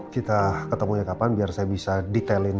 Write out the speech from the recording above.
kita ketemunya kapan biar saya bisa detailin